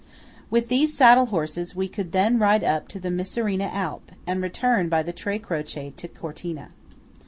With these saddle horses we could then ride up to the Misurina Alp, and return by the Tre Croce to Cortina.